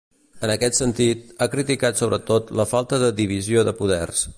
En aquest sentit, ha criticat sobretot la falta de divisió de poders.